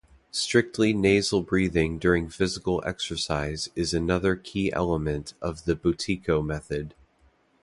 Strictly nasal breathing during physical exercise is another key element of the Buteyko method.